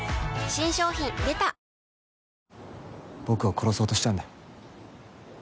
僕を殺そうとしたんだよ。